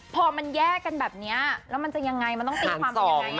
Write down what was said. พอมันแยกกันแบบนี้แล้วมันจะยังไงมันต้องตีความเป็นยังไง